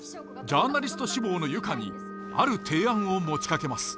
ジャーナリスト志望の由歌にある提案を持ちかけます。